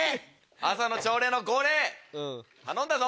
朝の朝礼の号令頼んだぞ？